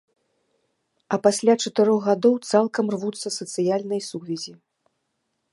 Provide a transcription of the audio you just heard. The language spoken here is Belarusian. А пасля чатырох гадоў цалкам рвуцца сацыяльныя сувязі.